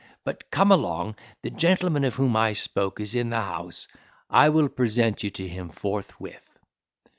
But come along the gentleman of whom I spoke is in the house; I will present you to him forthwith."